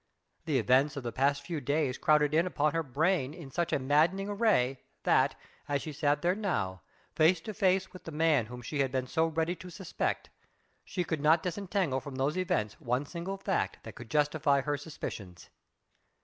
The events of the past few days crowded in upon her brain in such a maddening array, that, as she sat here now, face to face with the man whom she had been so ready to suspect, she could not disentangle from those events one single fact that could justify her suspicions.